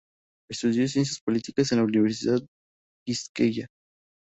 Estudió ciencias políticas en la Universidad Quisqueya.